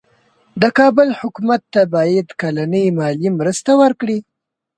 د کابل حکومت ته باید کلنۍ مالي مرسته ورکړي.